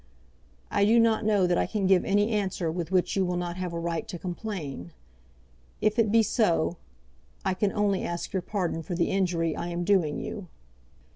I do not know that I can give any answer with which you will not have a right to complain. If it be so, I can only ask your pardon for the injury I am doing you.